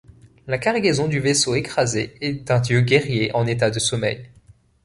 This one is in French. La cargaison du vaisseau écrasé est un dieu-guerrier en état de sommeil.